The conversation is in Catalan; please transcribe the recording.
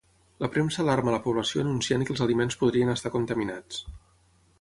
La premsa alarma la població anunciant que els aliments podrien estar contaminats.